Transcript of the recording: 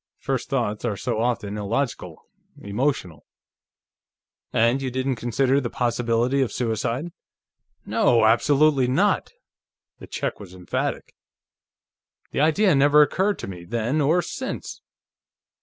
First thoughts are so often illogical, emotional." "And you didn't consider the possibility of suicide?" "No! Absolutely not!" The Czech was emphatic. "The idea never occurred to me, then or since.